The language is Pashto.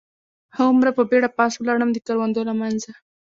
هغومره په بېړه پاس ولاړم، د کروندو له منځه.